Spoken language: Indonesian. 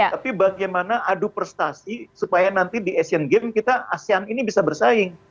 tapi bagaimana adu prestasi supaya nanti di asian games kita asean ini bisa bersaing